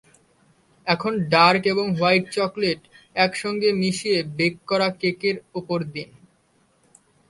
এখন ডার্ক এবং white chocolate একসঙ্গে মিশিয়ে বেক করা কেকের ওপর দিন।